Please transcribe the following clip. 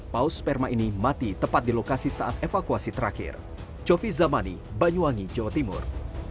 paus sperma ini mati tepat di lokasi saat evakuasi terakhir